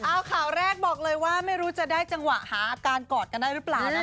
เอาข่าวแรกบอกเลยว่าไม่รู้จะได้จังหวะหาอาการกอดกันได้หรือเปล่านะคะ